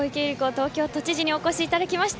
東京都知事にお越しいただきました。